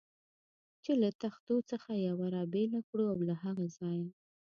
چې له تختو څخه یوه را بېله کړو او له هغه ځایه.